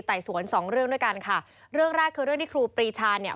สวนสองเรื่องด้วยกันค่ะเรื่องแรกคือเรื่องที่ครูปรีชาเนี่ย